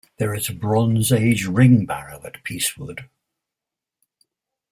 There is a bronze age ring barrow at Peacewood.